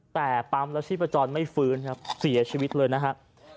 แต่ปั๊มแล้วชีพจรไม่ฟื้นครับเสียชีวิตเลยนะครับ